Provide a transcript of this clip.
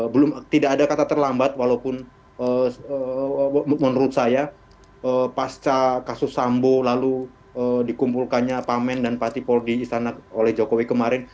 belum tidak ada kata terlambat walaupun menurut saya pasca kasus sambo lalu dikumpulkannya pak men dan patipol di istana oleh jokowi kemarin